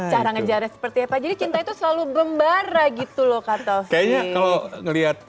cara ngejarnya seperti apa jadi cinta itu selalu gembara gitu loh kata fendi kalau ngelihat